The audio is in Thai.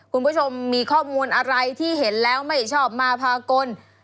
คุณผู้ชมมีข้อมูลอะไรที่เห็นแล้วไม่ชอบมาพากล